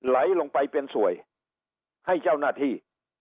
ไหลลงไปเป็นสวยให้เจ้าหน้าที่